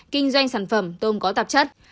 kinh doanh sản phẩm tôm có tạp chất